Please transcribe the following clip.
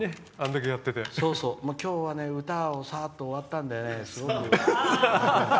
今日は歌をさっと終わったんですごく。